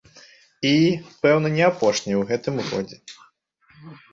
І, пэўна, не апошняй у гэтым годзе.